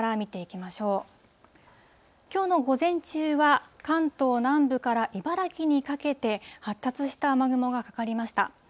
きょうの午前中は、関東南部から茨城にかけて、発達した雨雲がかかりました。